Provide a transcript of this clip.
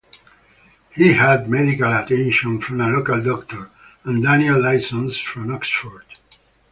He had medical attention from a local doctor, and Daniel Lysons from Oxford.